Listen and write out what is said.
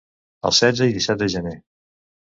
El setze i disset de gener.